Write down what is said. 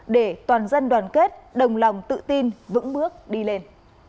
để toàn dân đoàn kết đồng lòng tự tin vững bước đi lên